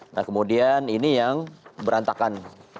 nah kemudian ini yang berantakan